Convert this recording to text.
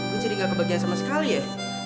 gue jadi gak kebagian sama sekali ya